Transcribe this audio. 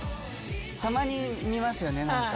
たまに見ますよね何か。